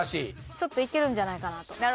ちょっといけるんじゃないかなと。